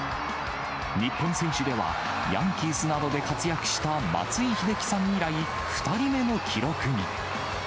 日本選手では、ヤンキースなどで活躍した松井秀喜さん以来、２人目の記録に。